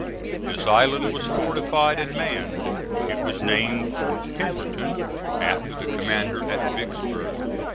This island was fortified and manned. It was named Fort Pemberton after the commander at Vicksburg.